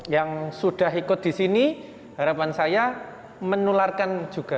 yang sudah ikut di sini harapan saya menularkan juga